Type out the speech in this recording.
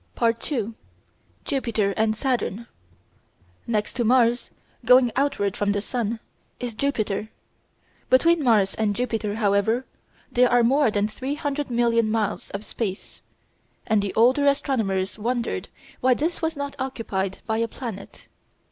§ 2 Jupiter and Saturn Next to Mars, going outward from the sun, is Jupiter. Between Mars and Jupiter, however, there are more than three hundred million miles of space, and the older astronomers wondered why this was not occupied by a planet.